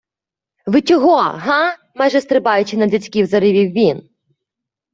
- Ви чого?! Га?! - майже стрибаючи на дядьків, заревів він.